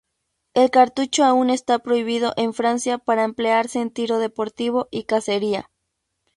El cartucho aún está prohibido en Francia para emplearse en tiro deportivo y cacería.